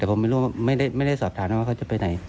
แต่ผมไม่รู้ว่าไม่ได้สอบถามนะว่าเขาจะไปไหน